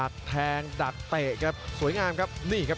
ฟังในแคะงโตพิจาณจับด้วยศอกขวาอีกทีครับ